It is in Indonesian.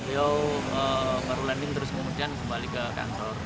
beliau baru landing terus kemudian kembali ke kantor